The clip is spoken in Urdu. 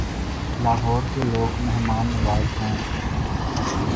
لاہور کے لوگ مہمان نواز ہیں